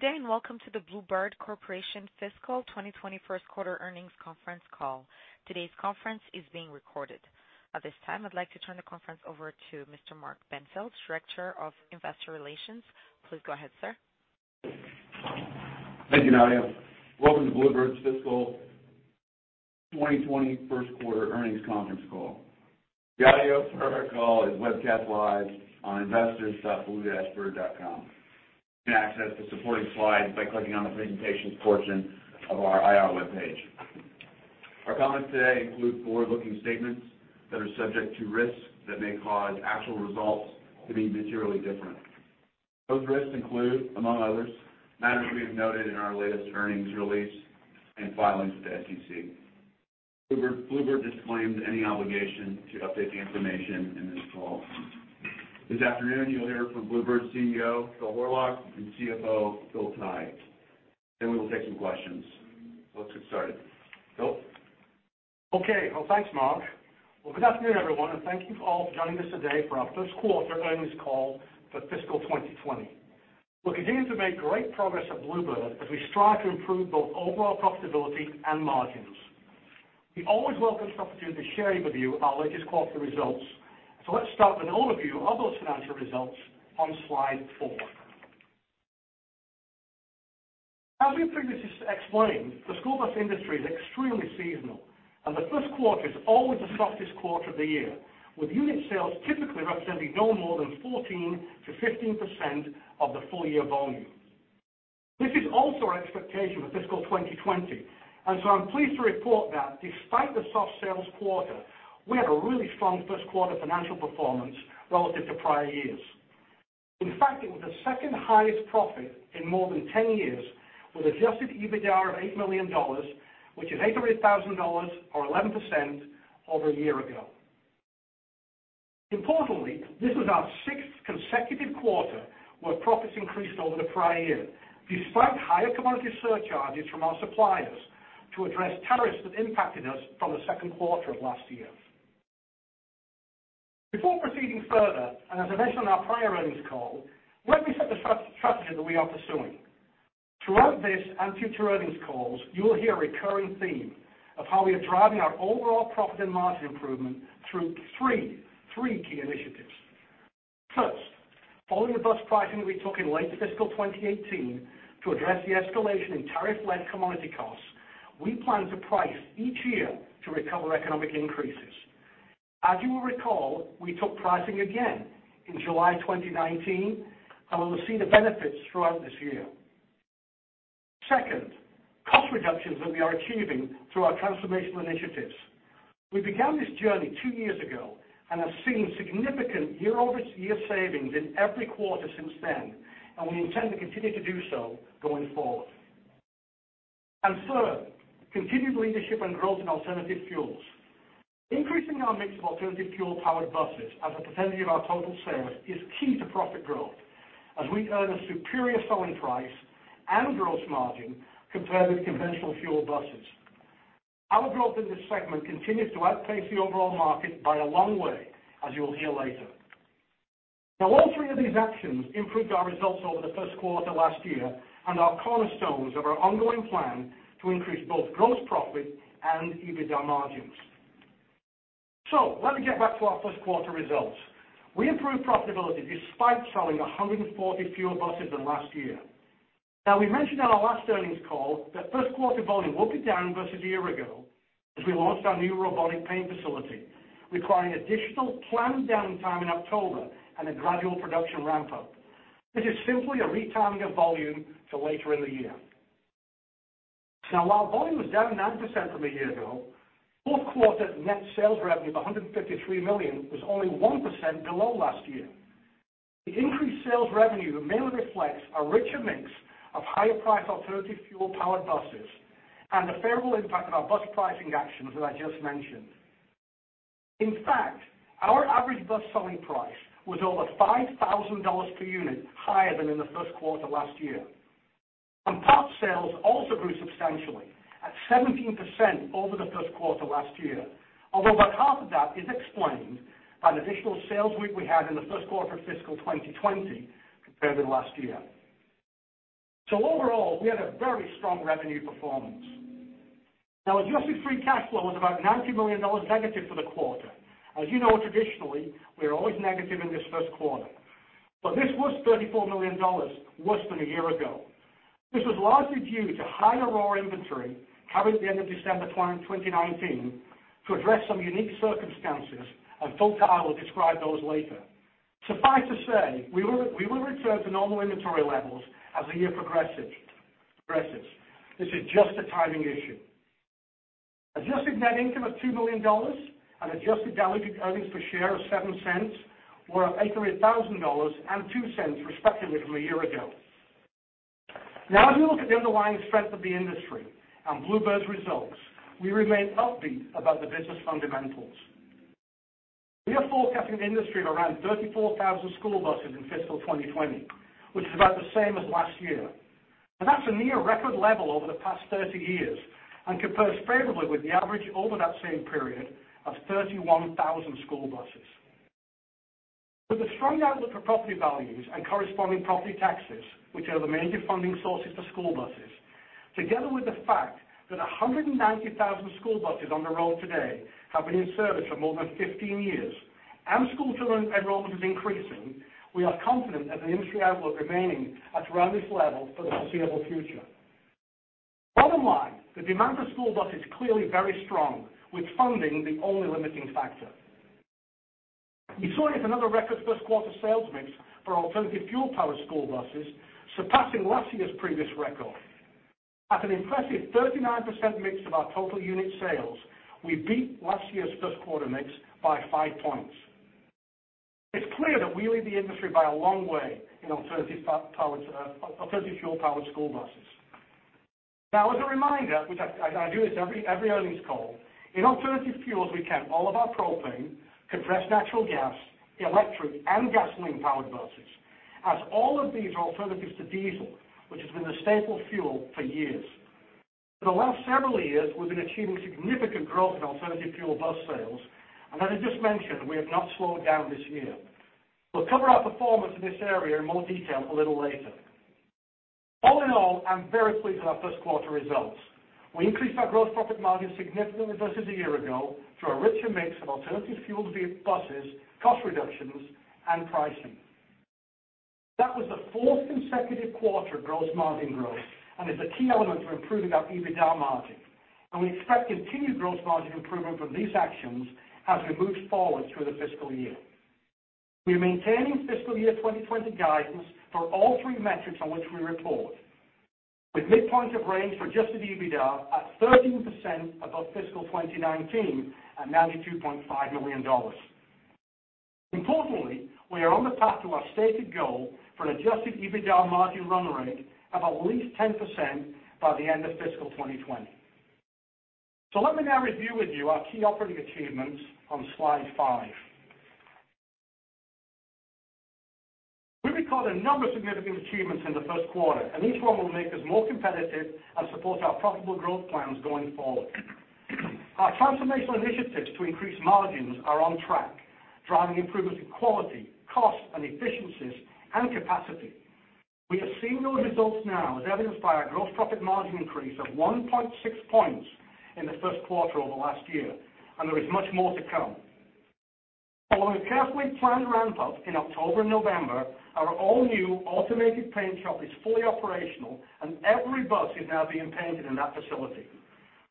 Good day. Welcome to the Blue Bird Corporation Fiscal 2020 First Quarter Earnings Conference Call. Today's conference is being recorded. At this time, I'd like to turn the conference over to Mr. Mark Benfield, Director of Investor Relations. Please go ahead, sir. Thank you, Nadia. Welcome to Blue Bird's Fiscal 2020 First Quarter Earnings Conference Call. The audio for our call is webcast live on investors.blue-bird.com. You can access the supporting slides by clicking on the Presentations portion of our IR webpage. Our comments today include forward-looking statements that are subject to risks that may cause actual results to be materially different. Those risks include, among others, matters we have noted in our latest earnings release and filings with the SEC. Blue Bird disclaims any obligation to update the information in this call. This afternoon, you'll hear from Blue Bird's CEO, Phil Horlock, and CFO, Phil Tighe. We will take some questions. Let's get started. Phil? Okay. Well, thanks, Mark. Good afternoon, everyone, thank you all for joining us today for our first quarter earnings call for fiscal 2020. We're continuing to make great progress at Blue Bird as we strive to improve both overall profitability and margins. We always welcome this opportunity to share with you our latest quarter results, let's start with an overview of those financial results on slide four. As we've previously explained, the school bus industry is extremely seasonal, the first quarter is always the softest quarter of the year, with unit sales typically representing no more than 14%-15% of the full year volume. This is also our expectation for fiscal 2020, I'm pleased to report that despite the soft sales quarter, we had a really strong first quarter financial performance relative to prior years. In fact, it was the second highest profit in more than 10 years with adjusted EBITDA of $8 million, which is $800,000 or 11% over a year ago. Importantly, this is our sixth consecutive quarter where profits increased over the prior year, despite higher commodity surcharges from our suppliers to address tariffs that impacted us from the second quarter of last year. Before proceeding further, as I mentioned on our prior earnings call, let me set the strategy that we are pursuing. Throughout this and future earnings calls, you will hear a recurring theme of how we are driving our overall profit and margin improvement through three key initiatives. First, following the bus pricing we took in late fiscal 2018 to address the escalation in tariff-led commodity costs, we plan to price each year to recover economic increases. As you will recall, we took pricing again in July 2019, and we will see the benefits throughout this year. Second, cost reductions that we are achieving through our transformational initiatives. We began this journey two years ago and have seen significant year-over-year savings in every quarter since then, and we intend to continue to do so going forward. Third, continued leadership and growth in alternative fuels. Increasing our mix of alternative fuel-powered buses as a percentage of our total sales is key to profit growth as we earn a superior selling price and gross margin compared with conventional fuel buses. Our growth in this segment continues to outpace the overall market by a long way, as you will hear later. All three of these actions improved our results over the first quarter last year and are cornerstones of our ongoing plan to increase both gross profit and EBITDA margins. Let me get back to our first quarter results. We improved profitability despite selling 140 fewer buses than last year. We mentioned on our last earnings call that first quarter volume would be down versus a year ago as we launched our new robotic paint facility, requiring additional planned downtime in October and a gradual production ramp-up. This is simply a retiming of volume to later in the year. While volume was down 9% from a year ago, fourth quarter net sales revenue of $153 million was only 1% below last year. The increased sales revenue mainly reflects a richer mix of higher-priced alternative fuel-powered buses and the favorable impact of our bus pricing actions that I just mentioned. In fact, our average bus selling price was over $5,000 per unit higher than in the first quarter last year. Parts sales also grew substantially, at 17% over the first quarter last year, although about half of that is explained by an additional sales week we had in the first quarter of fiscal 2020 compared to last year. Overall, we had a very strong revenue performance. Now, adjusted free cash flow was about $90 million negative for the quarter. As you know, traditionally, we are always negative in this first quarter, this was $34 million worse than a year ago. This was largely due to higher raw inventory having the end of December 2019 to address some unique circumstances. Phil Tighe will describe those later. Suffice to say, we will return to normal inventory levels as the year progresses. This is just a timing issue. Adjusted net income of $2 million and adjusted diluted earnings per share of $0.07 were up $800,000 and $0.02 respectively from a year ago. As we look at the underlying strength of the industry and Blue Bird's results, we remain upbeat about the business fundamentals. We are forecasting an industry of around 34,000 school buses in fiscal 2020, which is about the same as last year. That's a near record level over the past 30 years and compares favorably with the average over that same period of 31,000 school buses. With a strong outlook for property values and corresponding property taxes, which are the major funding sources for school buses, together with the fact that 190,000 school buses on the road today have been in service for more than 15 years and school enrollment is increasing, we are confident that the industry outlook remaining at around this level for the foreseeable future. Bottom line, the demand for school buses is clearly very strong, with funding the only limiting factor. We saw yet another record first quarter sales mix for alternative fuel-powered school buses, surpassing last year's previous record. At an impressive 39% mix of our total unit sales, we beat last year's first quarter mix by 5 points. It's clear that we lead the industry by a long way in alternative fuel-powered school buses. As a reminder, which I do this every earnings call, in alternative fuels, we count all of our propane, compressed natural gas, electric, and gasoline-powered buses, as all of these are alternatives to diesel, which has been the staple fuel for years. For the last several years, we've been achieving significant growth in alternative fuel bus sales, and as I just mentioned, we have not slowed down this year. We'll cover our performance in this area in more detail a little later. All in all, I'm very pleased with our first quarter results. We increased our gross profit margin significantly versus a year ago through a richer mix of alternative fuel buses, cost reductions, and pricing. That was the fourth consecutive quarter of gross margin growth and is a key element to improving our EBITDA margin, and we expect continued gross margin improvement from these actions as we move forward through the fiscal year. We're maintaining fiscal year 2020 guidance for all three metrics on which we report, with midpoints of range for adjusted EBITDA at 13% above fiscal 2019, at $92.5 million. Importantly, we are on the path to our stated goal for an adjusted EBITDA margin run rate of at least 10% by the end of fiscal 2020. Let me now review with you our key operating achievements on slide five. We recorded a number of significant achievements in the first quarter, and each one will make us more competitive and support our profitable growth plans going forward. Our transformational initiatives to increase margins are on track, driving improvements in quality, cost, and efficiencies, and capacity. We are seeing those results now, as evidenced by our gross profit margin increase of 1.6 points in the first quarter over last year, and there is much more to come. Following a carefully planned ramp-up in October and November, our all-new automated paint shop is fully operational, and every bus is now being painted in that facility.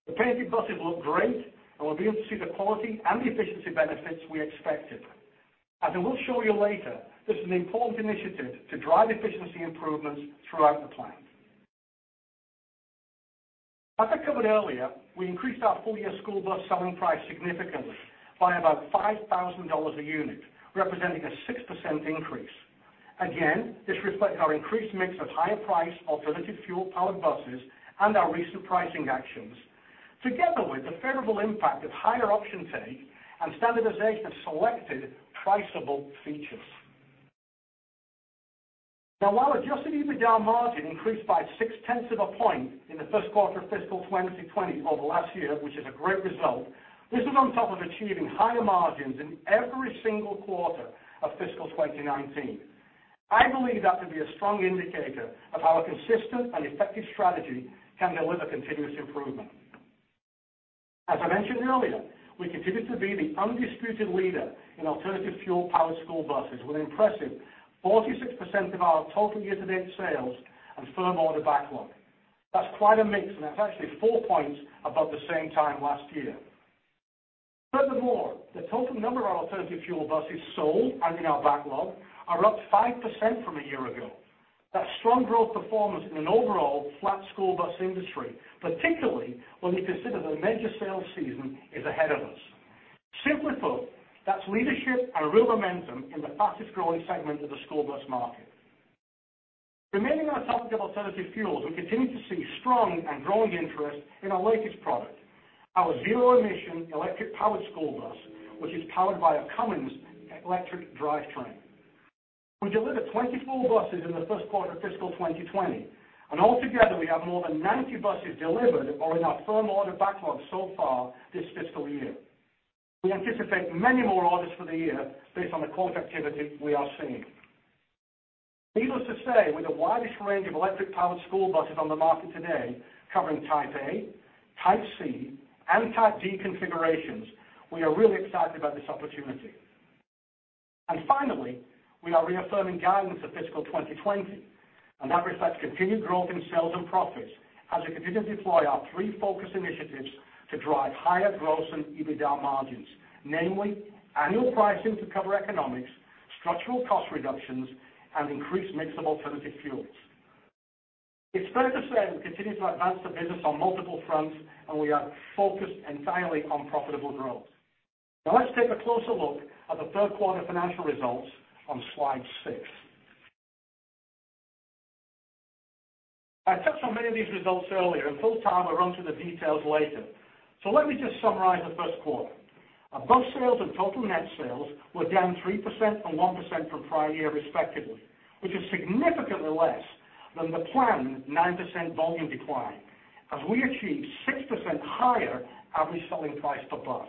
The painted buses look great, and we're beginning to see the quality and the efficiency benefits we expected. As I will show you later, this is an important initiative to drive efficiency improvements throughout the plant. As I covered earlier, we increased our full-year school bus selling price significantly by about $5,000 a unit, representing a 6% increase. This reflects our increased mix of higher-priced alternative fuel-powered buses and our recent pricing actions, together with the favorable impact of higher option take and standardization of selected priceable features. While adjusted EBITDA margin increased by six tenths of a point in the first quarter of fiscal 2020 over last year, which is a great result, this is on top of achieving higher margins in every single quarter of fiscal 2019. I believe that to be a strong indicator of how a consistent and effective strategy can deliver continuous improvement. As I mentioned earlier, we continue to be the undisputed leader in alternative fuel-powered school buses, with an impressive 46% of our total year-to-date sales and firm order backlog. That's quite a mix, that's actually four points above the same time last year. Furthermore, the total number of alternative fuel buses sold and in our backlog are up 5% from a year ago. That's strong growth performance in an overall flat school bus industry, particularly when we consider the major sales season is ahead of us. Simply put, that's leadership and real momentum in the fastest-growing segment of the school bus market. Remaining on the topic of alternative fuels, we continue to see strong and growing interest in our latest product, our zero-emission electric-powered school bus, which is powered by a Cummins electric drivetrain. We delivered 24 buses in the first quarter of fiscal 2020, and altogether, we have more than 90 buses delivered or in our firm order backlog so far this fiscal year. We anticipate many more orders for the year based on the quote activity we are seeing. Needless to say, with the widest range of electric-powered school buses on the market today, covering Type A, Type C, and Type D configurations, we are really excited about this opportunity. Finally, we are reaffirming guidance for fiscal 2020, and that reflects continued growth in sales and profits as we continue to deploy our three focus initiatives to drive higher growth and EBITDA margins, namely annual pricing to cover economics, structural cost reductions, and increased mix of alternative fuels. It's fair to say we continue to advance the business on multiple fronts, and we are focused entirely on profitable growth. Now let's take a closer look at the third quarter financial results on slide six. I touched on many of these results earlier, and Phil Tighe will run through the details later. So let me just summarize the first quarter. Our bus sales and total net sales were down 3% and 1% from prior year respectively, which is significantly less than the planned 9% volume decline, as we achieved 6% higher average selling price per bus.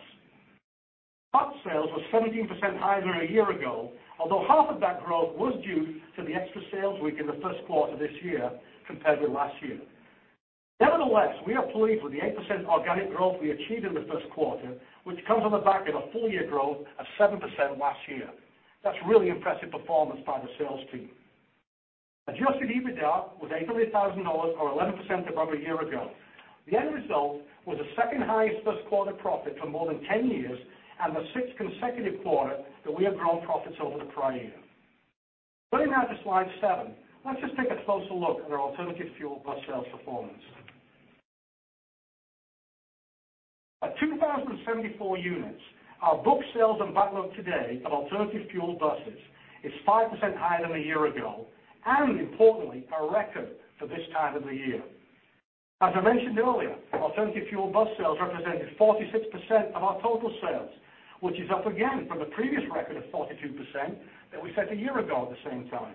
Parts sales were 17% higher than a year ago, although half of that growth was due to the extra sales week in the first quarter this year compared with last year. We are pleased with the 8% organic growth we achieved in the first quarter, which comes on the back of a full year growth of 7% last year. That's really impressive performance by the sales team. Adjusted EBITDA was $800,000, or 11% above a year ago. The end result was the second highest first quarter profit for more than 10 years, and the sixth consecutive quarter that we have grown profits over the prior year. Going now to slide seven. Let's just take a closer look at our alternative fuel bus sales performance. At 2,074 units, our booked sales and backlog today of alternative fuel buses is 5% higher than a year ago, importantly, a record for this time of the year. As I mentioned earlier, alternative fuel bus sales represented 46% of our total sales, which is up again from the previous record of 42% that we set a year ago at the same time.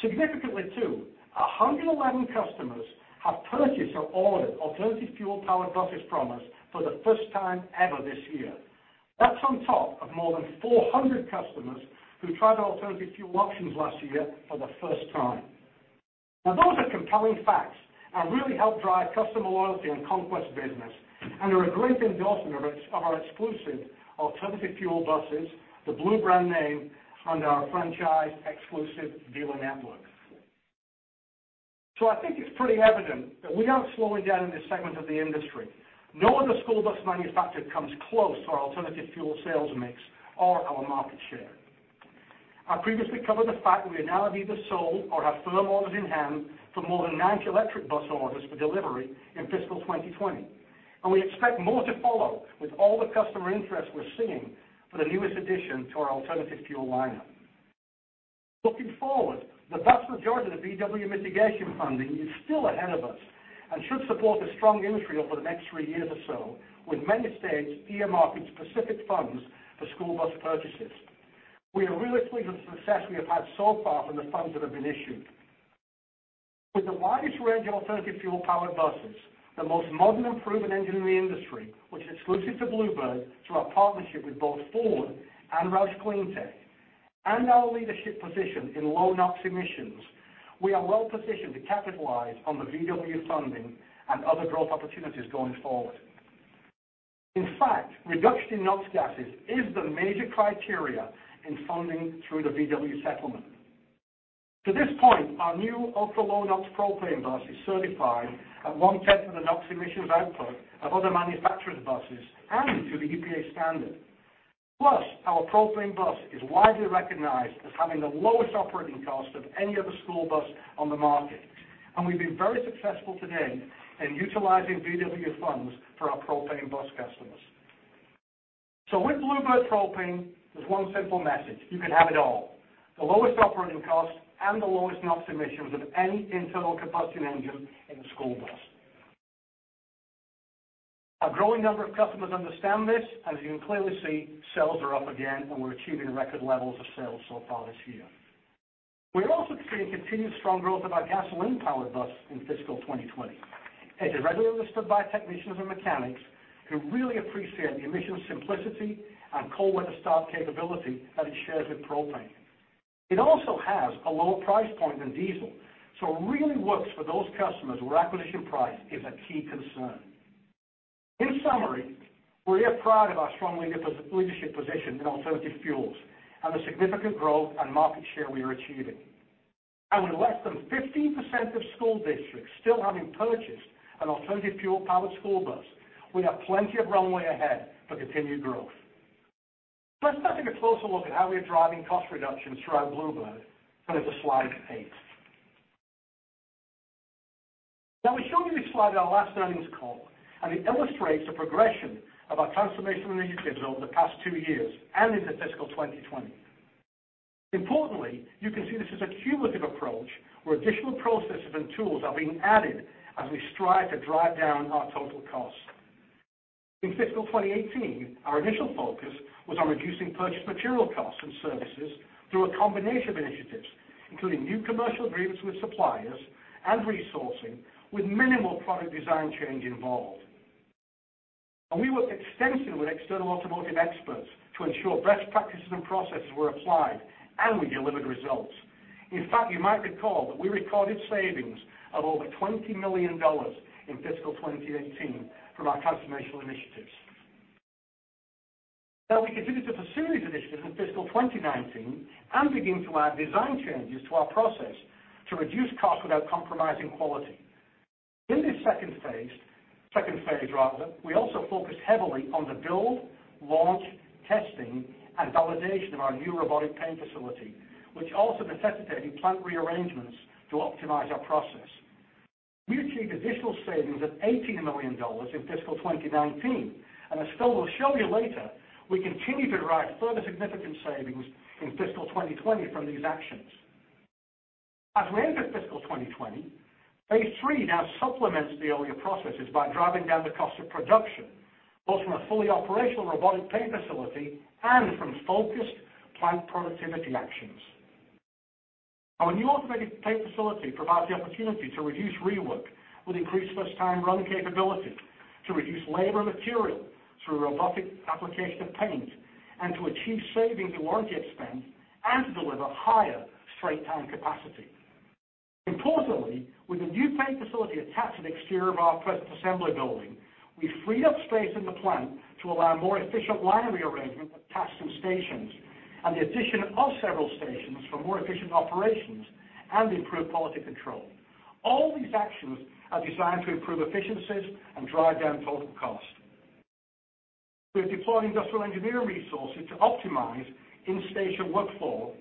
Significantly, too, 111 customers have purchased or ordered alternative fuel-powered buses from us for the first time ever this year. That's on top of more than 400 customers who tried alternative fuel options last year for the first time. Those are compelling facts and really help drive customer loyalty and conquest business, and are a great endorsement of our exclusive alternative fuel buses, the Blue brand name, and our franchise exclusive dealer network. I think it's pretty evident that we aren't slowing down in this segment of the industry. No other school bus manufacturer comes close to our alternative fuel sales mix or our market share. I previously covered the fact we have now either sold or have firm orders in hand for more than 90 electric bus orders for delivery in fiscal 2020, and we expect more to follow with all the customer interest we're seeing for the newest addition to our alternative fuel lineup. Looking forward, the vast majority of the VW mitigation funding is still ahead of us and should support a strong industry over the next three years or so, with many states earmarking specific funds for school bus purchases. We are really pleased with the success we have had so far from the funds that have been issued. With the widest range of alternative fuel-powered buses, the most modern and proven engine in the industry, which is exclusive to Blue Bird through our partnership with both Ford and ROUSH CleanTech, and our leadership position in low NOx emissions, we are well positioned to capitalize on the VW funding and other growth opportunities going forward. In fact, reduction in NOx gases is the major criteria in funding through the VW settlement. To this point, our new ultra-low NOx propane bus is certified at one tenth of the NOx emissions output of other manufacturers' buses and to the EPA standard. Plus, our propane bus is widely recognized as having the lowest operating cost of any other school bus on the market, and we've been very successful to date in utilizing VW funds for our propane bus customers. With Blue Bird propane, there's one simple message, you can have it all. The lowest operating costs and the lowest NOx emissions of any internal combustion engine in a school bus. A growing number of customers understand this, and as you can clearly see, sales are up again and we're achieving record levels of sales so far this year. We are also seeing continued strong growth of our gasoline powered bus in fiscal 2020. It is regularly listed by technicians and mechanics who really appreciate the emissions simplicity and cold weather start capability that it shares with propane. It also has a lower price point than diesel, so really works for those customers where acquisition price is a key concern. In summary, we are proud of our strong leadership position in alternative fuels and the significant growth and market share we are achieving. With less than 15% of school districts still having purchased an alternative fuel powered school bus, we have plenty of runway ahead for continued growth. Let's now take a closer look at how we are driving cost reductions throughout Blue Bird, turning to slide eight. Now, we showed you this slide on our last earnings call, and it illustrates the progression of our transformation initiatives over the past two years and into fiscal 2020. Importantly, you can see this is a cumulative approach where additional processes and tools are being added as we strive to drive down our total cost. In fiscal 2018, our initial focus was on reducing purchased material costs and services through a combination of initiatives, including new commercial agreements with suppliers and resourcing, with minimal product design change involved. We worked extensively with external automotive experts to ensure best practices and processes were applied, and we delivered results. In fact, you might recall that we recorded savings of over $20 million in fiscal 2018 from our transformational initiatives. Now we continued with a series of initiatives in fiscal 2019 and began to add design changes to our process to reduce cost without compromising quality. In this Phase 2, we also focused heavily on the build, launch, testing, and validation of our new robotic paint facility, which also necessitated plant rearrangements to optimize our process. We achieved additional savings of $18 million in fiscal 2019, and as Phil will show you later, we continue to derive further significant savings in fiscal 2020 from these actions. Of 2020. Phase 3 now supplements the earlier processes by driving down the cost of production, both from a fully operational robotic paint facility and from focused plant productivity actions. Our new automated paint facility provides the opportunity to reduce rework with increased first-time run capability, to reduce labor material through robotic application of paint, and to achieve savings in warranty expense and deliver higher straight-time capacity. Importantly, with the new paint facility attached to the exterior of our present assembly building, we freed up space in the plant to allow more efficient line rearrangement of tasks and stations, and the addition of several stations for more efficient operations and improved quality control. All these actions are designed to improve efficiencies and drive down total cost. We have deployed industrial engineering resources to optimize in-station workflow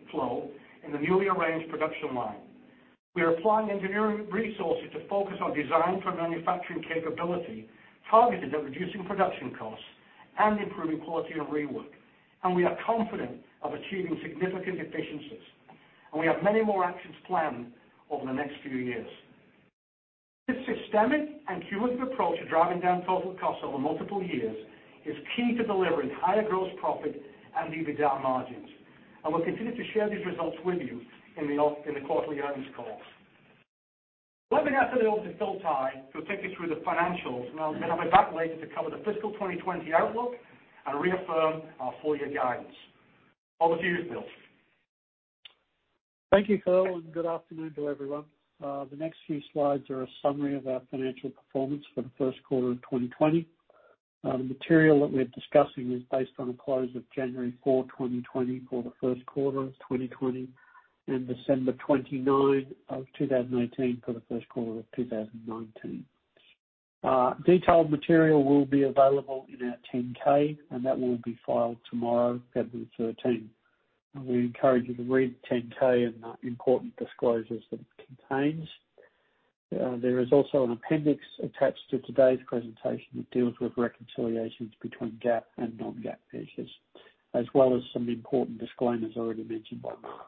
in the newly arranged production line. We are applying engineering resources to focus on design for manufacturing capability, targeted at reducing production costs and improving quality and rework. We are confident of achieving significant efficiencies. We have many more actions planned over the next few years. This systemic and cumulative approach of driving down total cost over multiple years is key to delivering higher gross profit and EBITDA margins. We'll continue to share these results with you in the quarterly earnings calls. Let me now turn it over to Phil Tighe, who will take you through the financials, and I'll then come back later to cover the fiscal 2020 outlook and reaffirm our full-year guidance. All yours, Phil. Thank you, Phil. Good afternoon to everyone. The next few slides are a summary of our financial performance for the first quarter of 2020. The material that we're discussing is based on a close of January 4, 2020, for the first quarter of 2020, and December 29, 2019 for the first quarter of 2019. Detailed material will be available in our 10-K, and that will be filed tomorrow, February 13th. We encourage you to read the 10-K and the important disclosures that it contains. There is also an appendix attached to today's presentation that deals with reconciliations between GAAP and non-GAAP measures, as well as some important disclaimers already mentioned by Mark.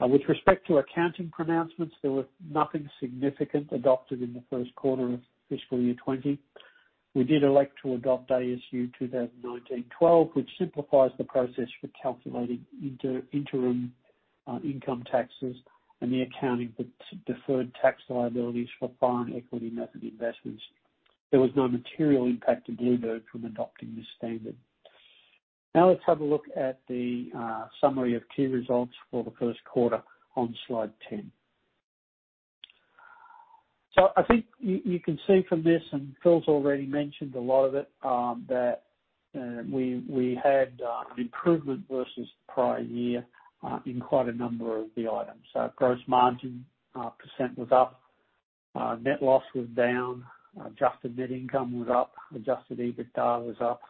With respect to accounting pronouncements, there was nothing significant adopted in the first quarter of fiscal year 2020. We did elect to adopt ASU 2019-12, which simplifies the process for calculating interim income taxes and the accounting for deferred tax liabilities for foreign equity method investments. There was no material impact to Blue Bird from adopting this standard. Now let's have a look at the summary of key results for the first quarter on slide 10. I think you can see from this, and Phil's already mentioned a lot of it, that we had improvement versus the prior year in quite a number of the items. Our gross margin percent was up, net loss was down, adjusted net income was up, adjusted EBITDA was up,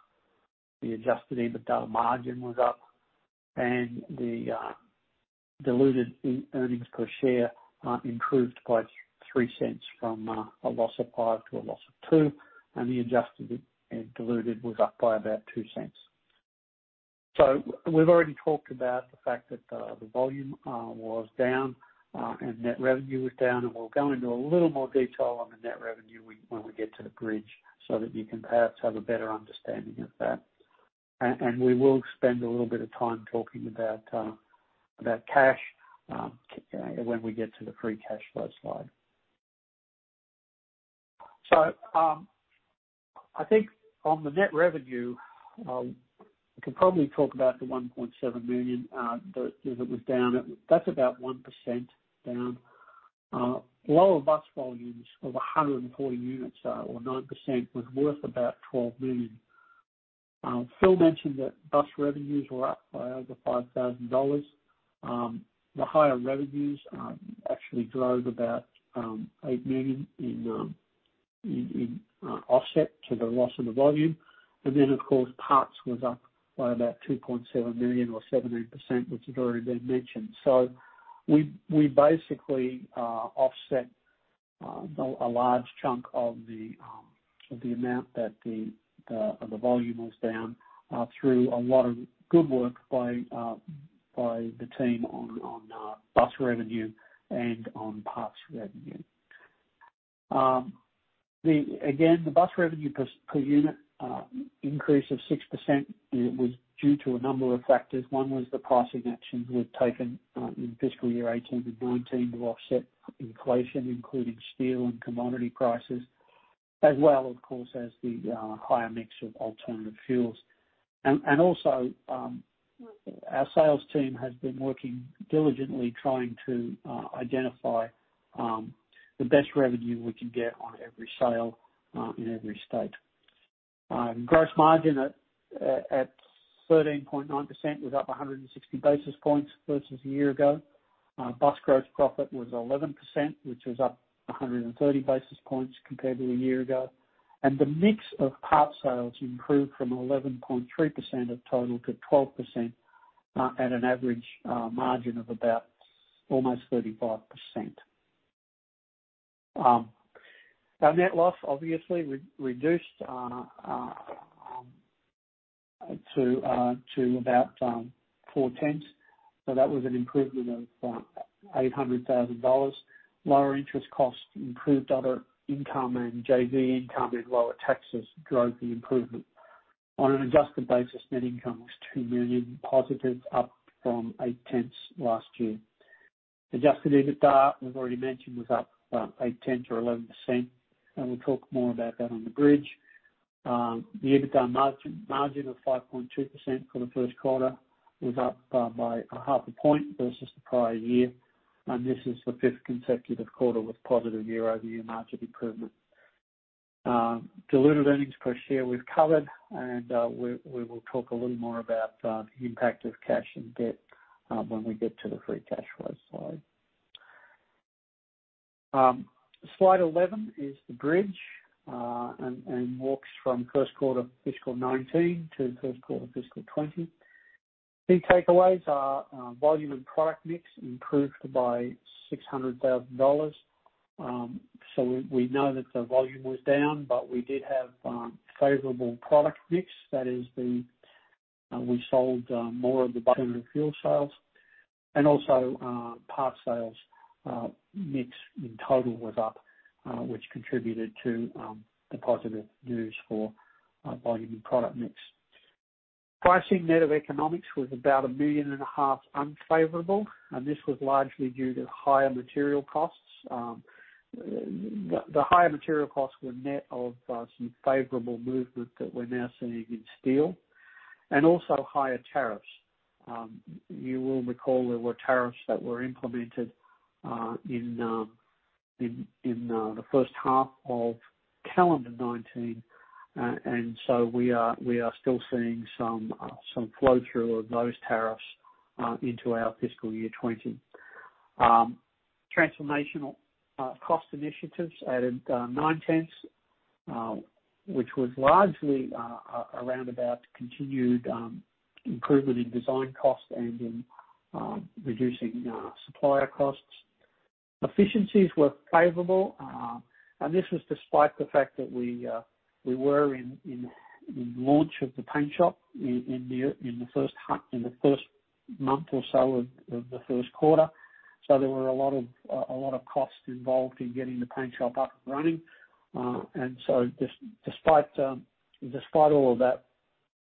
the adjusted EBITDA margin was up, and the diluted earnings per share improved by $0.03 from a loss of $0.05 to a loss of $0.02, and the adjusted and diluted was up by about $0.02. We've already talked about the fact that the volume was down. Net revenue was down, and we'll go into a little more detail on the net revenue when we get to the bridge so that you can perhaps have a better understanding of that. We will spend a little bit of time talking about cash when we get to the free cash flow slide. I think on the net revenue, we can probably talk about the $1.7 million that was down. That's about 1% down. Lower bus volumes of 140 units or 9% was worth about $12 million. Phil mentioned that bus revenues were up by over $5,000. The higher revenues actually drove about $8 million in offset to the loss in the volume. Then, of course, Parts was up by about $2.7 million or 17%, which has already been mentioned. We basically offset a large chunk of the amount that the volume was down through a lot of good work by the team on bus revenue and on parts revenue. Again, the bus revenue per unit increase of 6%, it was due to a number of factors. One was the pricing actions we had taken in fiscal year 2018 and 2019 to offset inflation, including steel and commodity prices, as well, of course, as the higher mix of alternative fuels. Also, our sales team has been working diligently, trying to identify the best revenue we can get on every sale in every state. Gross margin at 13.9% was up 160 basis points versus a year ago. Bus gross profit was 11%, which was up 130 basis points compared to a year ago. The mix of parts sales improved from 11.3% of total to 12% at an average margin of about almost 35%. Our net loss obviously reduced to about $0.4 million. That was an improvement of $800,000. Lower interest costs improved other income and JV income and lower taxes drove the improvement. On an adjusted basis, net income was $2 million positive, up from $0.8 million last year. Adjusted EBITDA, we've already mentioned, was up 8%, 10% or 11%, and we'll talk more about that on the bridge. The EBITDA margin of 5.2% for the first quarter was up by a half a point versus the prior year, and this is the fifth consecutive quarter with positive year-over-year margin improvement. Diluted earnings per share we've covered, and we will talk a little more about the impact of cash and debt when we get to the free cash flow slide. Slide 11 is the bridge, walks from first quarter fiscal 2019 to first quarter fiscal 2020. Key takeaways are volume and product mix improved by $600,000. We know that the volume was down, we did have favorable product mix. That is, we sold more of the bus and fuel sales, also parts sales mix in total was up, which contributed to the positive news for volume and product mix. Pricing net of economics was about a million and a half unfavorable, this was largely due to higher material costs. The higher material costs were net of some favorable movement that we're now seeing in steel, also higher tariffs. You will recall there were tariffs that were implemented in the first half of calendar 2019. We are still seeing some flow-through of those tariffs into our fiscal year 2020. Transformational cost initiatives added nine tenths, which was largely around about continued improvement in design cost and in reducing supplier costs. Efficiencies were favorable. This was despite the fact that we were in launch of the paint shop in the first half, in the first month or so of the first quarter. There were a lot of costs involved in getting the paint shop up and running. Despite all of that,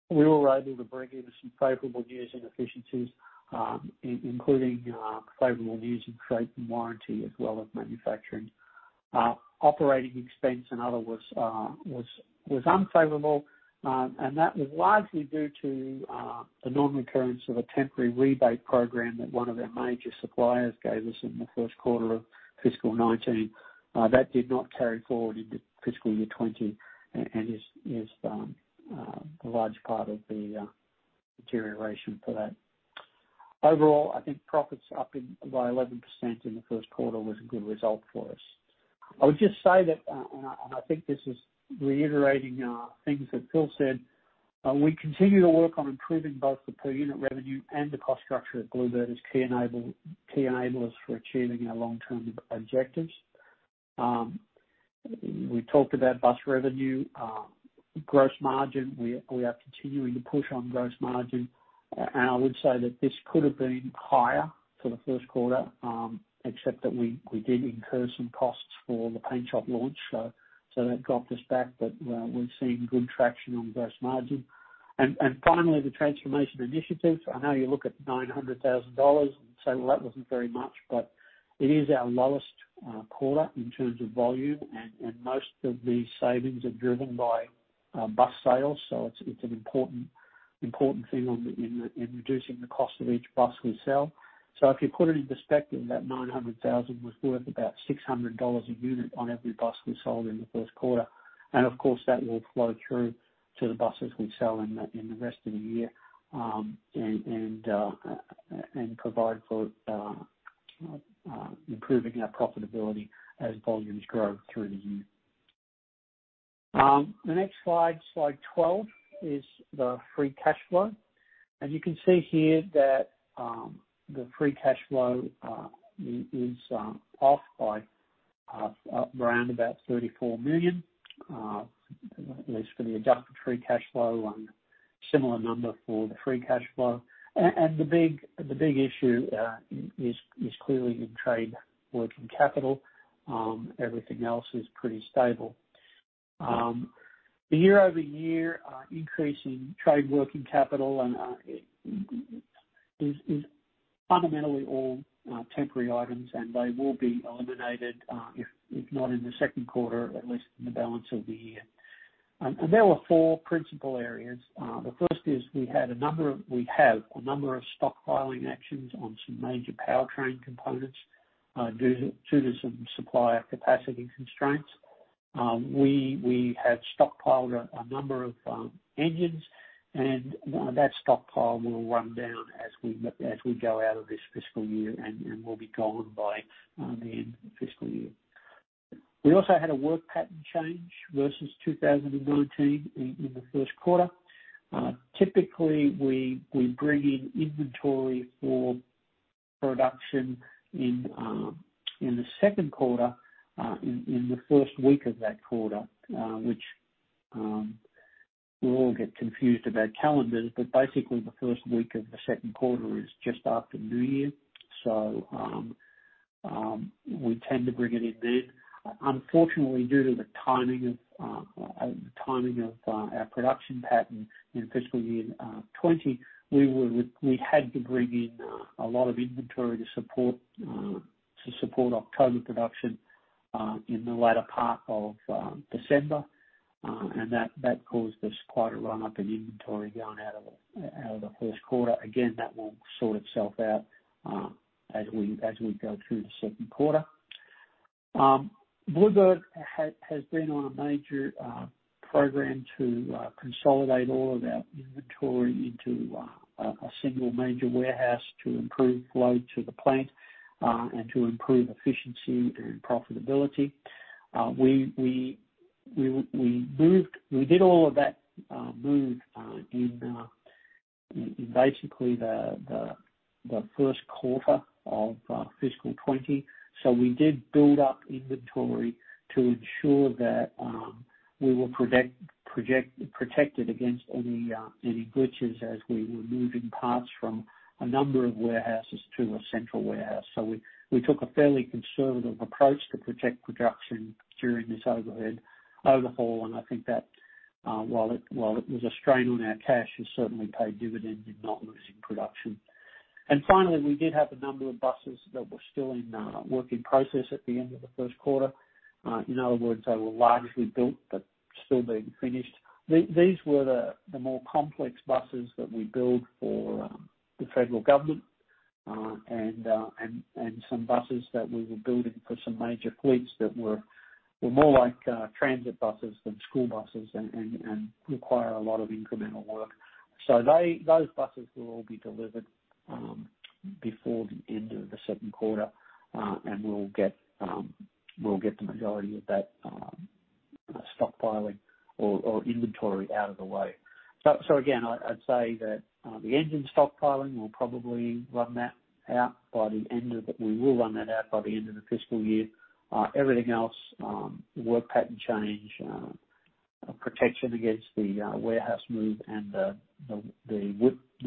we were able to bring in some favorable news in efficiencies, including favorable news in freight and warranty, as well as manufacturing. Operating expense and other was unfavorable. That was largely due to the non-recurrence of a temporary rebate program that one of our major suppliers gave us in the first quarter of fiscal 2019. That did not carry forward into fiscal year 2020. Is a large part of the deterioration for that. Overall, I think profits up by 11% in the first quarter was a good result for us. I would just say that, and I think this is reiterating things that Phil said, we continue to work on improving both the per-unit revenue and the cost structure at Blue Bird as key enablers for achieving our long-term objectives. We talked about bus revenue, gross margin. We are continuing to push on gross margin. I would say that this could have been higher for the first quarter, except that we did incur some costs for the paint shop launch. That dropped us back, but we're seeing good traction on gross margin. Finally, the transformation initiative. I know you look at $900,000 and say, "Well, that wasn't very much," but it is our lowest quarter in terms of volume, and most of the savings are driven by bus sales. It's an important thing in reducing the cost of each bus we sell. If you put it into perspective, that 900,000 was worth about $600 a unit on every bus we sold in the first quarter. Of course, that will flow through to the buses we sell in the rest of the year, and provide for improving our profitability as volumes grow through the year. The next slide 12, is the free cash flow. As you can see here that the free cash flow is off by around about $34 million, at least for the adjusted free cash flow, and a similar number for the free cash flow. The big issue is clearly in trade working capital. Everything else is pretty stable. The year-over-year increase in trade working capital is fundamentally all temporary items, and they will be eliminated, if not in the second quarter, at least in the balance of the year. There were four principal areas. The first is we have a number of stockpiling actions on some major powertrain components due to some supplier capacity constraints. We have stockpiled a number of engines, and that stockpile will run down as we go out of this fiscal year and will be gone by the end of the fiscal year. We also had a work pattern change versus 2019 in the first quarter. Typically, we bring in inventory for production in the second quarter, in the first week of that quarter, which we all get confused about calendars, but basically the first week of the second quarter is just after New Year. We tend to bring it in then. Unfortunately, due to the timing of our production pattern in fiscal year 2020, we had to bring in a lot of inventory to support October production in the latter part of December. That caused us quite a run-up in inventory going out of the first quarter. That will sort itself out as we go through the second quarter. Blue Bird has been on a major program to consolidate all of our inventory into a single major warehouse to improve flow to the plant and to improve efficiency and profitability. We did all of that move in basically the first quarter of fiscal 2020. We did build up inventory to ensure that we were protected against any glitches as we were moving parts from a number of warehouses to a central warehouse. We took a fairly conservative approach to protect production during this overhaul, and I think that while it was a strain on our cash, it certainly paid dividends in not losing production. Finally, we did have a number of buses that were still in work in process at the end of the first quarter. In other words, they were largely built but still being finished. These were the more complex buses that we build for the federal government and some buses that we were building for some major fleets that were more like transit buses than school buses and require a lot of incremental work. Those buses will all be delivered before the end of the second quarter. We'll get the majority of that stockpiling or inventory out of the way. Again, I'd say that the engine stockpiling will probably run out by the end of the fiscal year. Everything else, work pattern change, protection against the warehouse move and the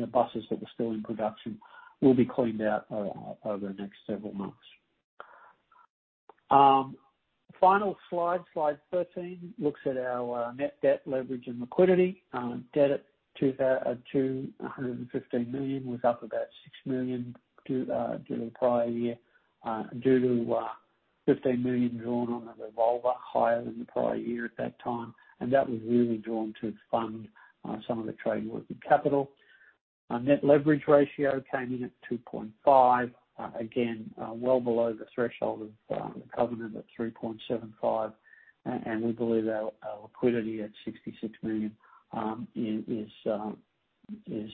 buses that were still in production, will be cleaned out over the next several months. Final slide 13, looks at our net debt leverage and liquidity. Debt at $215 million, was up about $6 million during the prior year due to $15 million drawn on the revolver, higher than the prior year at that time. That was really drawn to fund some of the trade working capital. Our net leverage ratio came in at 2.5, again, well below the threshold of the covenant at 3.75. We believe our liquidity at $66 million is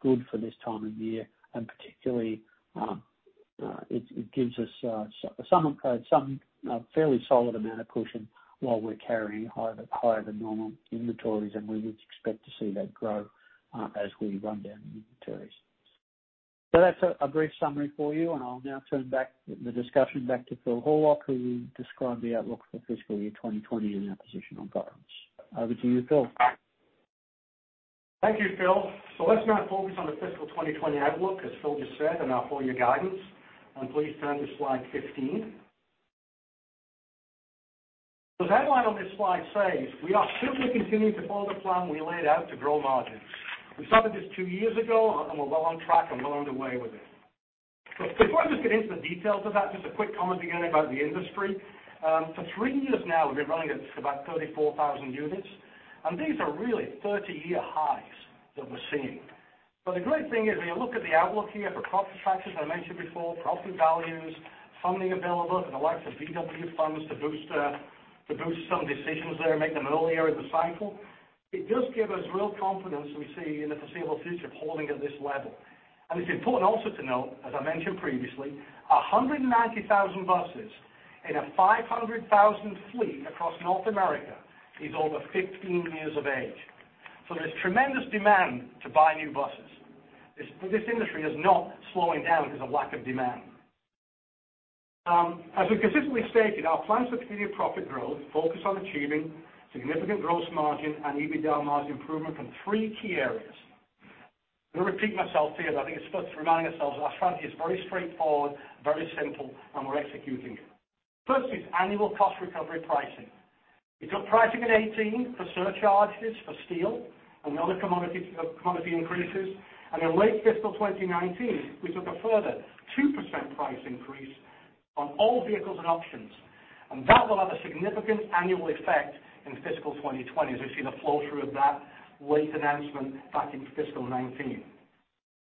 good for this time of year, and particularly, it gives us a fairly solid amount of cushion while we're carrying higher than normal inventories, and we would expect to see that grow as we run down the inventories. That's a brief summary for you, and I'll now turn the discussion back to Phil Horlock, who will describe the outlook for fiscal year 2020 and our position on guidance. Over to you, Phil. Thank you, Phil. Let's now focus on the fiscal 2020 outlook, as Phil just said, and our full-year guidance. Please turn to slide 15. The headline on this slide says, we are simply continuing to follow the plan we laid out to grow margins. We started this two years ago, and we're well on track and well underway with it. Before I just get into the details of that, just a quick comment again about the industry. For three years now, we've been running at about 34,000 units, and these are really 30-year highs that we're seeing. The great thing is, when you look at the outlook here for profit factors, as I mentioned before, property values, funding available and the likes of Volkswagen funds to boost some decisions there and make them earlier in the cycle. It does give us real confidence we see in the foreseeable future holding at this level. It's important also to note, as I mentioned previously, 190,000 buses in a 500,000 fleet across North America is over 15 years of age. There's tremendous demand to buy new buses. This industry is not slowing down because of lack of demand. As we consistently stated, our plans for continued profit growth focus on achieving significant gross margin and EBITDA margin improvement from three key areas. I'm going to repeat myself here, but I think it's worth reminding ourselves our strategy is very straightforward, very simple, and we're executing it. First is annual cost recovery pricing. We took pricing in 2018 for surcharges for steel and other commodity increases, and in late fiscal 2019, we took a further 2% price increase on all vehicles and options. That will have a significant annual effect in fiscal 2020 as we see the flow through of that late announcement back in fiscal 2019.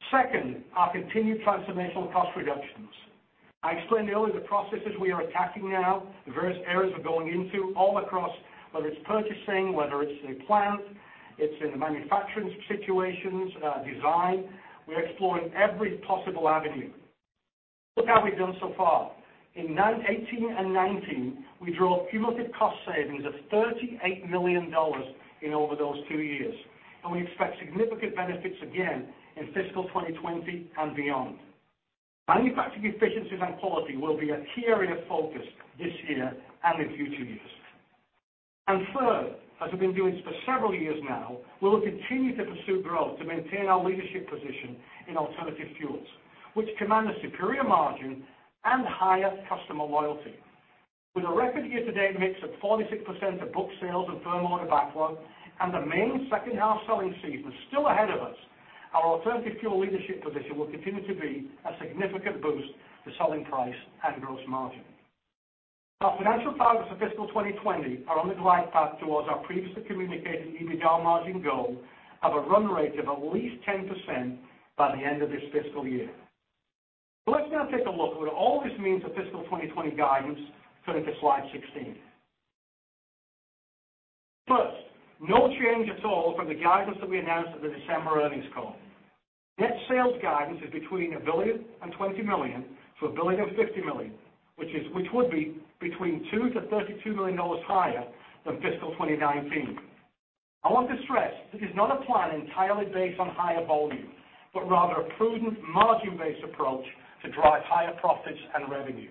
Second, our continued transformational cost reductions. I explained earlier the processes we are attacking now, the various areas we're going into all across, whether it's purchasing, whether it's in plant, it's in the manufacturing situations, design. We're exploring every possible avenue. Look how we've done so far. In 2018 and 2019, we drove cumulative cost savings of $38 million in over those two years, and we expect significant benefits again in fiscal 2020 and beyond. Manufacturing efficiencies and quality will be a key area of focus this year and in future years. Third, as we've been doing for several years now, we will continue to pursue growth to maintain our leadership position in alternative fuels, which command a superior margin and higher customer loyalty. With a record year-to-date mix of 46% of book sales and firm order backlog and the main second-half selling season still ahead of us, our alternative fuel leadership position will continue to be a significant boost to selling price and gross margin. Our financial targets for fiscal 2020 are on the right path towards our previously communicated EBITDA margin goal of a run rate of at least 10% by the end of this fiscal year. Let's now take a look at what all this means for fiscal 2020 guidance, turning to Slide 16. First, no change at all from the guidance that we announced at the December earnings call. Net sales guidance is between $1.02 billion-$1.05 billion, which would be between $2 million-$32 million higher than fiscal 2019. I want to stress this is not a plan entirely based on higher volume, but rather a prudent margin-based approach to drive higher profits and revenue.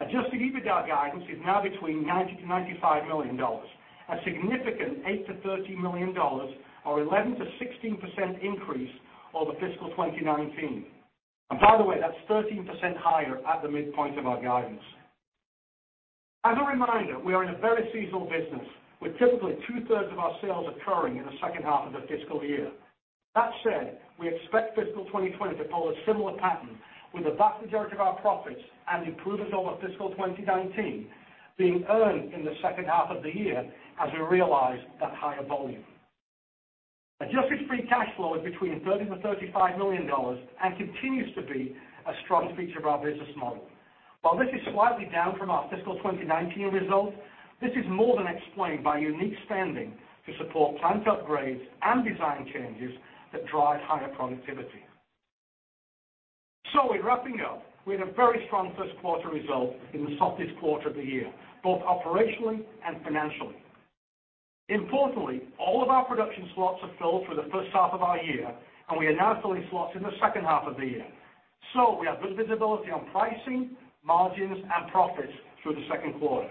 Adjusted EBITDA guidance is now between $90 million-$95 million, a significant $8 million-$13 million, or 11%-16% increase over fiscal 2019. By the way, that's 13% higher at the midpoint of our guidance. As a reminder, we are in a very seasonal business, with typically two-thirds of our sales occurring in the second half of the fiscal year. That said, we expect fiscal 2020 to follow a similar pattern, with the vast majority of our profits and improvement over fiscal 2019 being earned in the second half of the year as we realize that higher volume. Adjusted free cash flow is between $30 million-$35 million and continues to be a strong feature of our business model. While this is slightly down from our fiscal 2019 result, this is more than explained by unique spending to support plant upgrades and design changes that drive higher productivity. In wrapping up, we had a very strong first quarter result in the softest quarter of the year, both operationally and financially. Importantly, all of our production slots are filled for the first half of our year, and we are now filling slots in the second half of the year. We have good visibility on pricing, margins, and profits through the second quarter.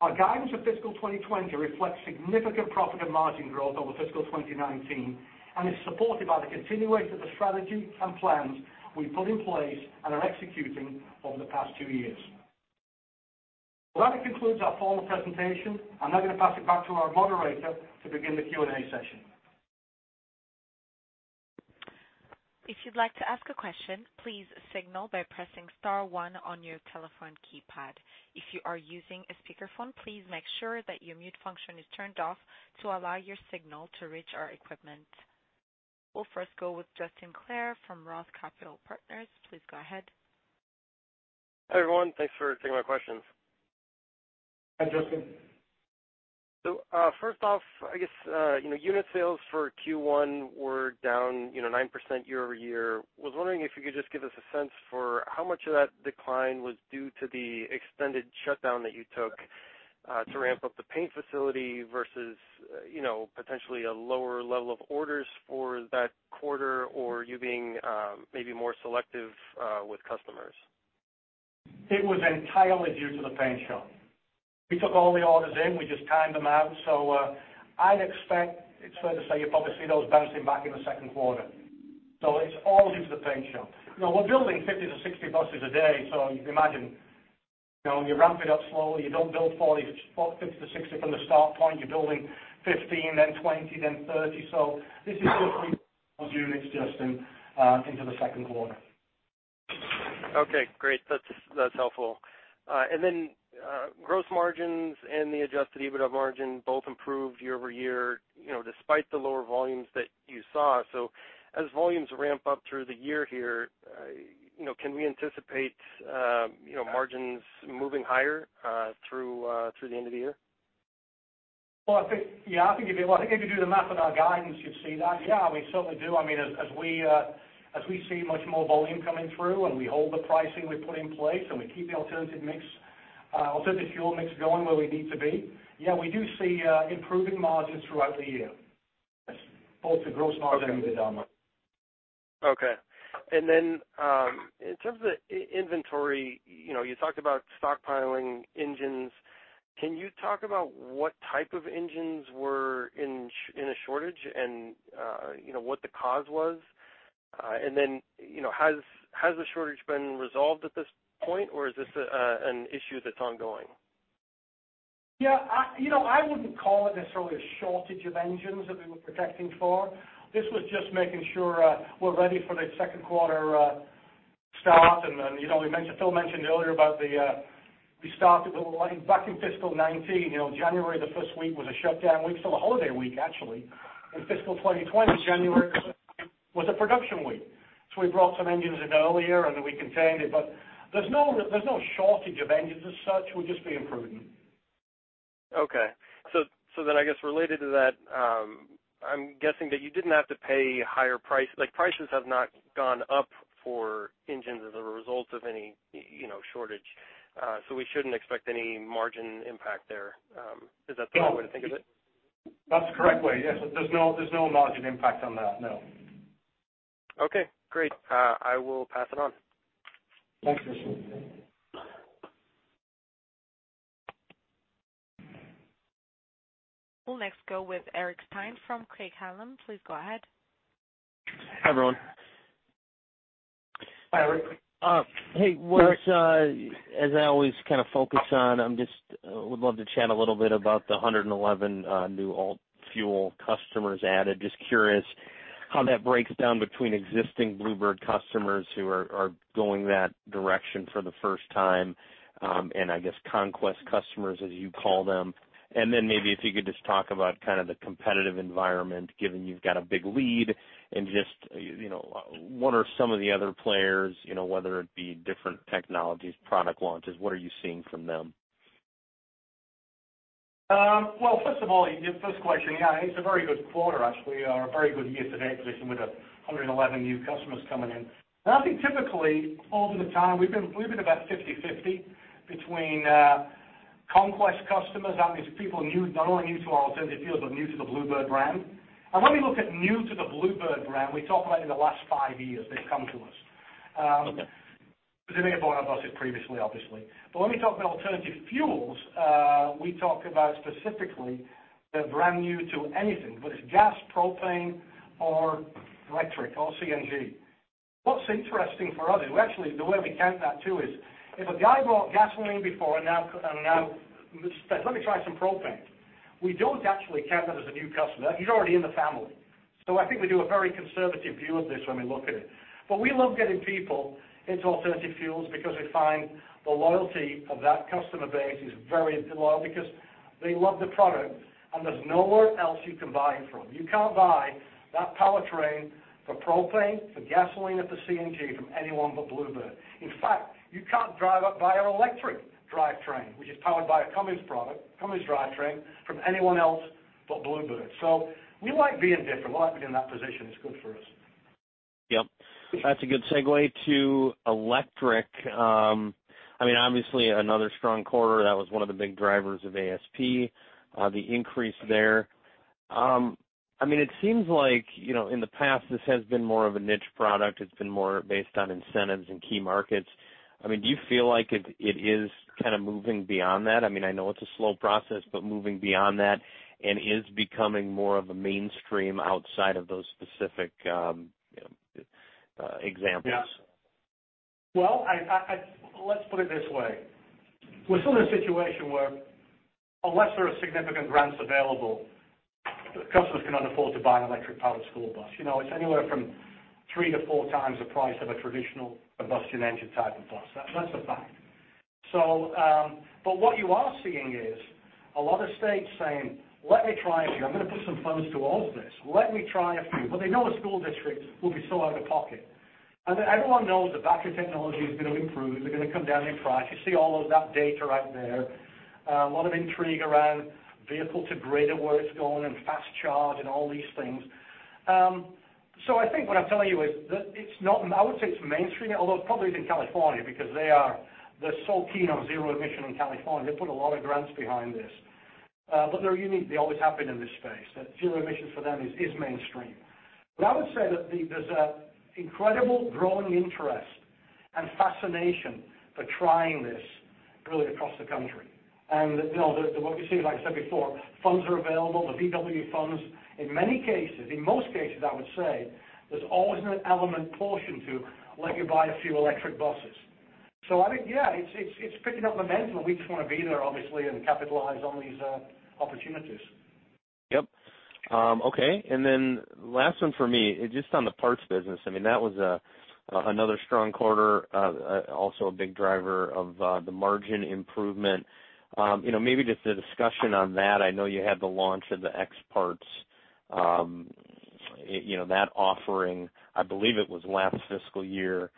Our guidance for fiscal 2020 reflects significant profit and margin growth over fiscal 2019 and is supported by the continuation of the strategy and plans we put in place and are executing over the past two years. Well, that concludes our formal presentation. I'm now going to pass it back to our moderator to begin the Q&A session. If you'd like to ask a question, please signal by pressing star one on your telephone keypad. If you are using a speakerphone, please make sure that your mute function is turned off to allow your signal to reach our equipment. We'll first go with Justin Clare from ROTH Capital Partners. Please go ahead. Hi, everyone. Thanks for taking my questions. Hi, Justin. First off, I guess, unit sales for Q1 were down 9% year-over-year. Was wondering if you could just give us a sense for how much of that decline was due to the extended shutdown that you took to ramp up the paint facility versus potentially a lower level of orders for that quarter or you being maybe more selective with customers? It was entirely due to the paint shop. We took all the orders in. We just timed them out. I'd expect, it's fair to say you'll probably see those bouncing back in the second quarter. It's all due to the paint shop. We're building 50-60 buses a day, so you can imagine. You ramp it up slowly. You don't build 40, 50 to 60 from the start point. You're building 15, then 20, then 30. This is just units, Justin, into the second quarter. Okay, great. That's helpful. Gross margins and the adjusted EBITDA margin both improved year-over-year despite the lower volumes that you saw. As volumes ramp up through the year here, can we anticipate margins moving higher through the end of the year? Well, I think, yeah. I think if you do the math on our guidance, you'd see that. Yeah, we certainly do. As we see much more volume coming through and we hold the pricing we put in place and we keep the alternative fuel mix going where we need to be, yeah, we do see improving margins throughout the year. Yes. Both the gross margin. Okay. The bottom line. Okay. In terms of the inventory, you talked about stockpiling engines. Can you talk about what type of engines were in a shortage and what the cause was? Has the shortage been resolved at this point, or is this an issue that's ongoing? Yeah. I wouldn't call it necessarily a shortage of engines that we were protecting for. This was just making sure we're ready for the second quarter start. Phil mentioned earlier. We started building back in fiscal 2019. January, the first week was a shutdown week. It was a holiday week, actually. In fiscal 2020, January was a production week. We brought some engines in earlier and then we contained it. There's no shortage of engines as such. We're just being prudent. Okay. I guess related to that, I'm guessing that you didn't have to pay a higher price. Prices have not gone up for engines as a result of any shortage, so we shouldn't expect any margin impact there. Is that the right way to think of it? That's the correct way. Yes. There's no margin impact on that, no. Okay, great. I will pass it on. Thanks, Justin. We'll next go with Eric Stine from Craig-Hallum. Please go ahead. Hi, everyone. Hi, Eric. Hey. As I always focus on, I would love to chat a little bit about the 111 new alt-fuel customers added. Just curious how that breaks down between existing Blue Bird customers who are going that direction for the first time, and I guess conquest customers, as you call them. Maybe if you could just talk about the competitive environment, given you've got a big lead and just what are some of the other players, whether it be different technologies, product launches, what are you seeing from them? Well, first of all, your first question, yeah, it's a very good quarter, actually, or a very good year-to-date position with 111 new customers coming in. I think typically over the time, we've been about 50/50 between conquest customers, that means people not only new to alternative fuels, but new to the Blue Bird brand. When we look at new to the Blue Bird brand, we talk about in the last five years they've come to us. Okay. They may have bought our buses previously, obviously. When we talk about alternative fuels, we talk about specifically they're brand new to anything, whether it's gas, propane, or electric or CNG. What's interesting for us, actually, the way we count that too is if a guy bought gasoline before and now says, "Let me try some propane," we don't actually count that as a new customer. He's already in the family. I think we do a very conservative view of this when we look at it. We love getting people into alternative fuels because we find the loyalty of that customer base is very loyal because they love the product and there's nowhere else you can buy it from. You can't buy that powertrain for propane, for gasoline, or for CNG from anyone but Blue Bird. In fact, you can't drive up by our electric drivetrain, which is powered by a Cummins product, Cummins drivetrain, from anyone else but Blue Bird. We like being different. We like being in that position. It's good for us. Yep. That's a good segue to electric. Obviously, another strong quarter, that was one of the big drivers of ASP, the increase there. It seems like in the past, this has been more of a niche product. It's been more based on incentives and key markets. Do you feel like it is moving beyond that? I know it's a slow process, but moving beyond that and is becoming more of a mainstream outside of those specific examples? Yeah. Well, let's put it this way. We're still in a situation where unless there are significant grants available, customers cannot afford to buy an electric-powered school bus. It's anywhere from 3x-4x the price of a traditional combustion engine type of bus. That's a fact. What you are seeing is a lot of states saying, Let me try a few. I'm going to put some funds towards this. Let me try a few. They know the school districts will be so out of pocket. Everyone knows that battery technology is going to improve. They're going to come down in price. You see all of that data out there. A lot of intrigue around vehicle-to-grid, where it's going, and fast charge and all these things. I think what I'm telling you is that I would say it's mainstream, although it probably is in California because they're so keen on zero emission in California. They put a lot of grants behind this. They're unique. They always have been in this space. That zero emission for them is mainstream. I would say that there's an incredible growing interest and fascination for trying this really across the country. What you see, like I said before, funds are available, the Volkswagen funds. In many cases, in most cases, I would say, there's always an element portion to let you buy a few electric buses. I think, yeah, it's picking up momentum. We just want to be there, obviously, and capitalize on these opportunities. Yep. Okay. Last one for me, just on the parts business. That was another strong quarter, also a big driver of the margin improvement. Maybe just a discussion on that. I know you had the launch of the X-Parts, that offering, I believe it was last fiscal year.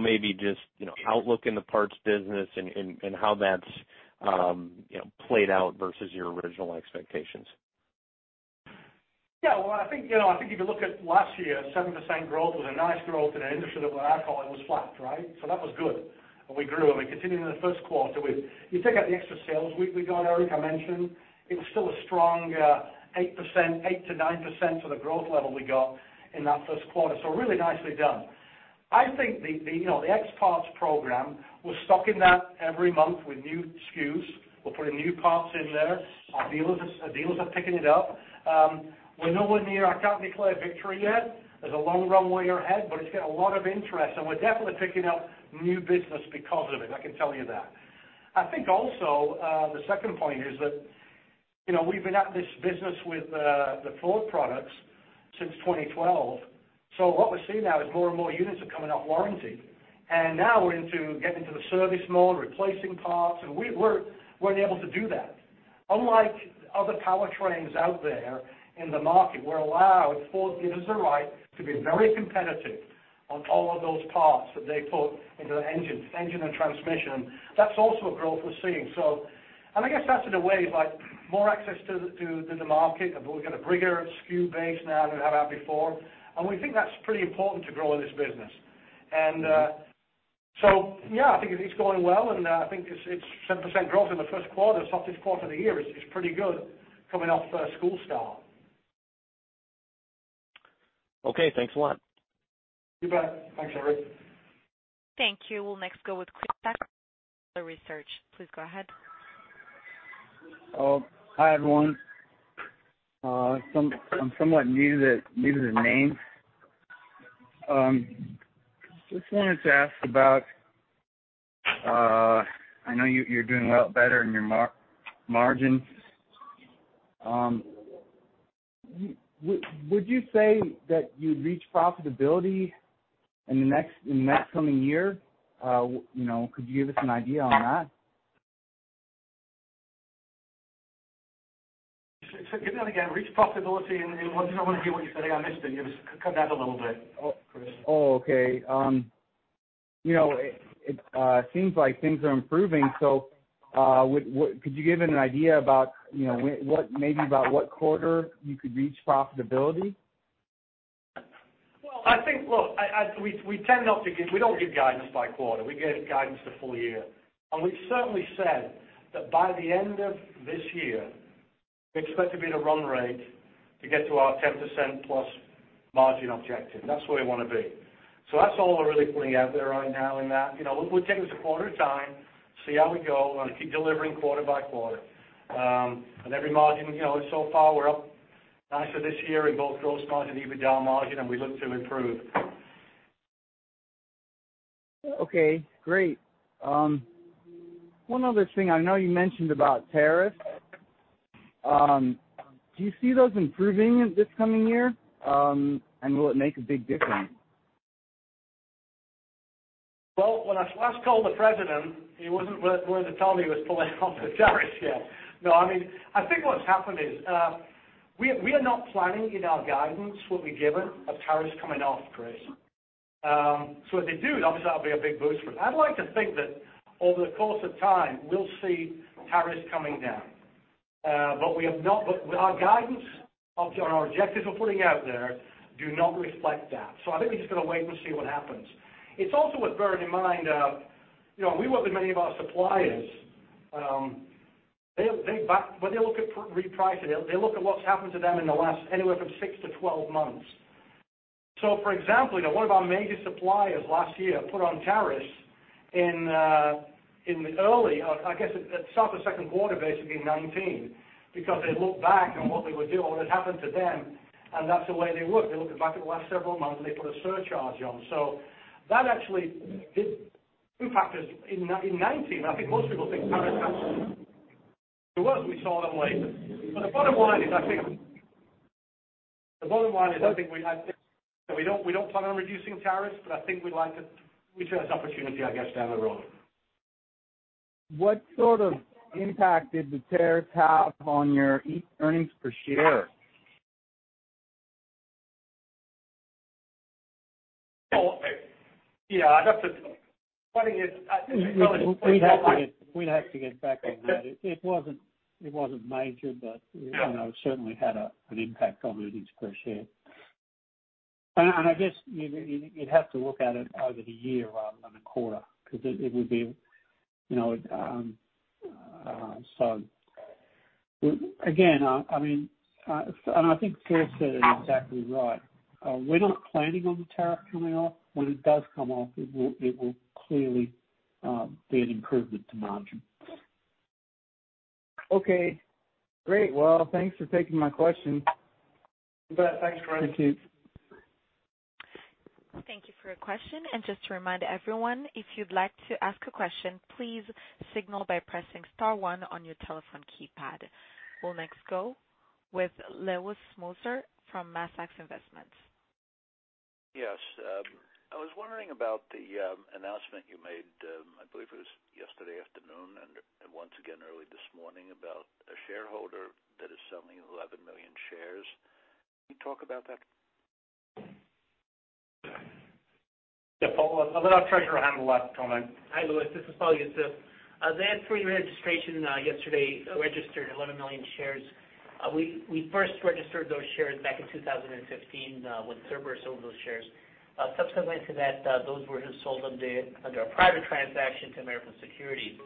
Maybe just outlook in the parts business and how that's played out versus your original expectations. Well, I think if you look at last year, 7% growth was a nice growth in an industry that what I call it was flat, right? That was good. We grew, and we continued in the first quarter with, you take out the extra sales week we got, Eric, I mentioned, it's still a strong 8%-9% sort of growth level we got in that first quarter. Really nicely done. I think the X-Parts program, we're stocking that every month with new SKUs. We're putting new parts in there. Our dealers are picking it up. We're nowhere near, I can't declare victory yet. There's a long runway ahead, but it's got a lot of interest, and we're definitely picking up new business because of it, I can tell you that. I think also, the second point is that we've been at this business with the Ford products since 2012. What we're seeing now is more and more units are coming off warranty. Now we're into getting to the service mode, replacing parts, and we weren't able to do that. Unlike other powertrains out there in the market, we're allowed, Ford gives us the right to be very competitive on all of those parts that they put into the engine and transmission. That's also a growth we're seeing. I guess that's, in a way, more access to the market, and we've got a bigger SKU base now than we had before. We think that's pretty important to grow this business. Yeah, I think it's going well, and I think it's 10% growth in the first quarter. It's not this quarter, the year is pretty good coming off school start. Okay, thanks a lot. You bet. Thanks, Eric. Thank you. We'll next go with Research. Please go ahead. Hi, everyone. I'm somewhat new to the name. Just wanted to ask about, I know you're doing a lot better in your margins. Would you say that you'd reach profitability in the next coming year? Could you give us an idea on that? Say that again. Reach profitability in what? I want to hear what you said again. I missed it. You just cut out a little bit, Chris. Oh, okay. It seems like things are improving, so could you give an idea about maybe about what quarter you could reach profitability? Well, I think, look, we don't give guidance by quarter. We give guidance to full year. We've certainly said that by the end of this year, we expect to be in a run rate to get to our 10% plus margin objective. That's where we want to be. That's all we're really putting out there right now in that. We'll take it a quarter at a time, see how we go, and keep delivering quarter by quarter. Every margin, so far, we're up nicely this year in both gross margin, EBITDA margin, and we look to improve. Okay, great. One other thing. I know you mentioned about tariffs. Do you see those improving in this coming year? Will it make a big difference? Well, when I last called the president, he wasn't willing to tell me he was pulling off the tariffs yet. No, I think what's happened is, we are not planning in our guidance what we've given of tariffs coming off, Chris. If they do, obviously that'll be a big boost. I'd like to think that over the course of time, we'll see tariffs coming down. Our guidance on our objectives we're putting out there do not reflect that. I think we've just got to wait and see what happens. It's also worth bearing in mind, we work with many of our suppliers. When they look at repricing, they look at what's happened to them in the last anywhere from 6-12 months. For example, one of our major suppliers last year put on tariffs in early, I guess, at start of second quarter, basically 2019, because they looked back on what they would do or what had happened to them, and that's the way they work. They looked back at the last several months, and they put a surcharge on. That actually did impact us in 2019. I think most people think tariffs happened. We saw them later. The bottom line is, I think we don't plan on reducing tariffs, but I think we'd like to reach that opportunity, I guess, down the road. What sort of impact did the tariffs have on your earnings per share? Well, yeah, that's funny. We'd have to get back on that. It wasn't major. No. certainly had an impact on earnings per share. I guess you'd have to look at it over the year rather than a quarter. Again, I think Phil said it exactly right. We're not planning on the tariff coming off. When it does come off, it will clearly be an improvement to margin. Okay, great. Well, thanks for taking my question. You bet. Thanks, Chris. Thank you. Thank you for your question, and just to remind everyone, if you'd like to ask a question, please signal by pressing star one on your telephone keypad. We'll next go with Lewis Mooser from Massax Investments. Yes. I was wondering about the announcement you made, I believe it was yesterday afternoon and once again early this morning about a shareholder that is selling 11 million shares. Can you talk about that? Paul, I'll let our Treasurer handle that comment. Hi, Lewis. This is Paul Yousif. That pre-registration yesterday registered 11 million shares. We first registered those shares back in 2015 when Cerberus sold those shares. Subsequent to that, those were just sold under a private transaction to American Securities.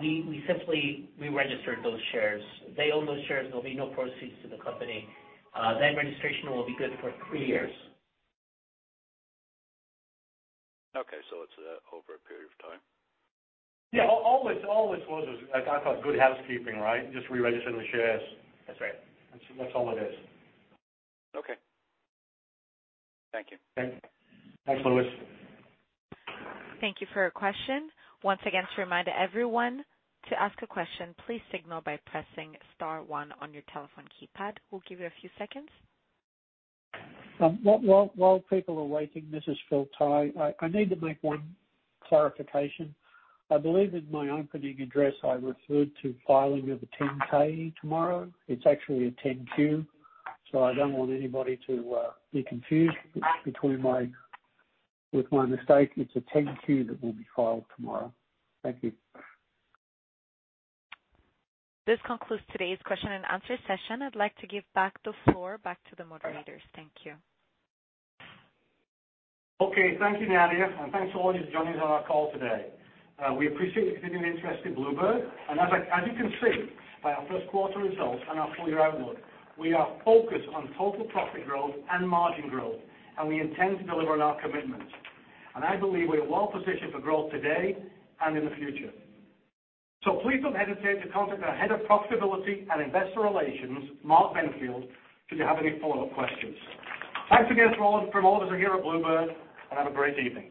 We simply reregistered those shares. They own those shares. There'll be no proceeds to the company. That registration will be good for three years. Okay, it's over a period of time. Yeah, all this was, I thought, good housekeeping, right? Just reregistering the shares. That's right. That's all it is. Okay. Thank you. Thanks. Thanks, Lewis. Thank you for your question. Once again, to remind everyone to ask a question, please signal by pressing star one on your telephone keypad. We'll give you a few seconds. While people are waiting, this is Phil Tighe. I need to make one clarification. I believe in my opening address, I referred to filing of a 10-K tomorrow. It is actually a 10-Q, so I don't want anybody to be confused with my mistake. It is a 10-Q that will be filed tomorrow. Thank you. This concludes today's question and answer session. I'd like to give the floor back to the moderators. Thank you. Okay. Thank you, Nadia. Thanks to all of you for joining us on our call today. We appreciate your continued interest in Blue Bird. As you can see by our first quarter results and our full-year outlook, we are focused on total profit growth and margin growth, and we intend to deliver on our commitments. I believe we are well-positioned for growth today and in the future. Please don't hesitate to contact our Head of Profitability and Investor Relations, Mark Benfield, should you have any follow-up questions. Thanks again, from all of us here at Blue Bird, and have a great evening.